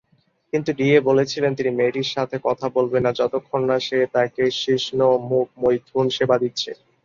কিন্তু ডিএ বলেছিলেন তিনি মেয়েটির সাথে কথা বলবেন না যতক্ষণ না সে তাঁকে শিশ্ন-মুখমৈথুন সেবা দিচ্ছে।